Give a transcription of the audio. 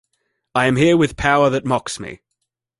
I am here with power that mocks me.